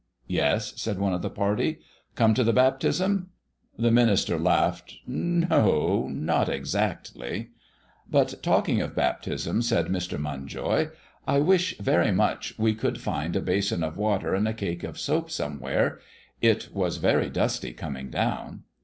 "Yes," said one of the party. "Come to the baptism?" The minister laughed. "No, not exactly." "But, talking of baptism," said Mr. Munjoy, "I wish very much we could find a basin of water and a cake of soap somewhere; it was very dusty coming down."